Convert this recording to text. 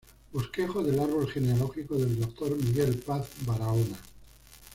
Bosquejo del árbol genealógico del doctor Miguel Paz Barahona.